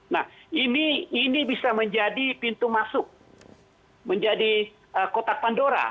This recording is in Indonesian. nah ini bisa menjadi pintu masuk menjadi kotak pandora